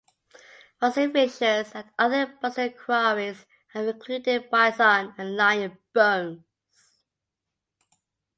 Finds in fissures at other Buxton quarries have included bison and lion bones.